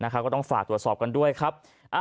ก็ต้องฝากตรวจสอบกันด้วยครับ